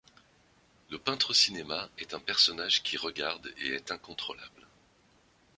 Le peintre au cinéma est un personnage qui regarde et est incontrôlable.